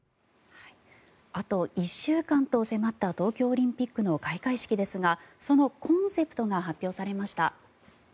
あと１週間と迫った東京オリンピックの開会式ですがそのコンセプトが発表されました。